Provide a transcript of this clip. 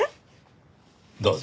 どうぞ。